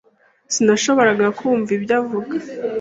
Sinashoboraga kumva ibyo avuga.